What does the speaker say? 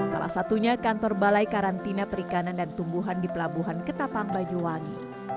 salah satunya kantor balai karantina perikanan dan tumbuhan di pelabuhan ketapang banyuwangi